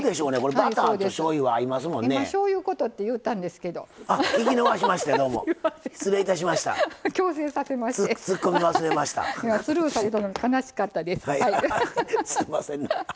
はいすいません。